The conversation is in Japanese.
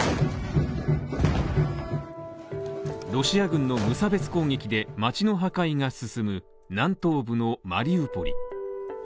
ロシア軍の無差別攻撃で町の破壊が進む、南東部のマリウポリ。